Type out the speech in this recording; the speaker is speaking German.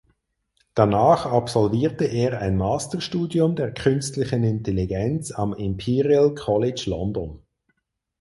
Danach absolvierte er ein Masterstudium der künstlichen Intelligenz am Imperial College London.